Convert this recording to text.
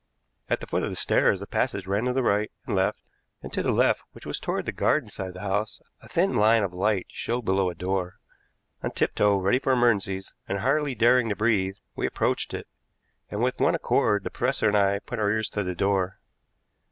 At the foot of the stairs a passage ran to right and left, and to the left, which was toward the garden side of the house, a thin line of light showed below a door. On tiptoe, ready for emergencies, and hardly daring to breathe, we approached it, and with one accord the professor and I put our ears to the door.